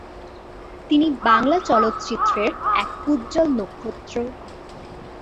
তিনি বাংলা চলচ্চিত্রের এক উজ্জ্বল নক্ষত্র।